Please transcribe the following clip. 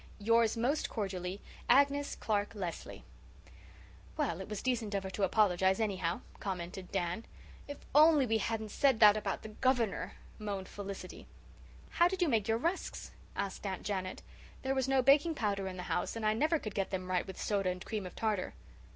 "Yours most cordially, AGNES CLARK LESLEY. "Well, it was decent of her to apologize, anyhow," commented Dan. "If we only hadn't said that about the Governor," moaned Felicity. "How did you make your rusks?" asked Aunt Janet. "There was no baking powder in the house, and I never could get them right with soda and cream of tartar."